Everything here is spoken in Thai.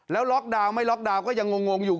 แล้วล็อกดาวน์ไม่ล็อกดาวน์ก็ยังงงอยู่